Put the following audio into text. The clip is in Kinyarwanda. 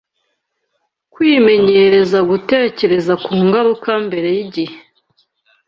kwimenyereza gutekereza ku ngaruka mbere y’igihe